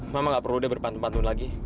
mama gak perlu deh berpantu pantun lagi